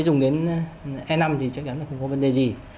dùng đến hai năm thì chắc chắn là không có vấn đề gì